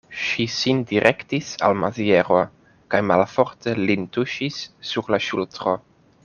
Ŝi sin direktis al Maziero, kaj malforte lin tuŝis sur la ŝultro.